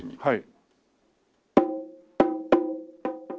はい。